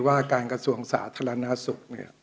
ว่าการกระทรวงสาธารณสุข